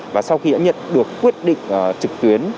và sau khi đã nhận được quyết định trực tuyến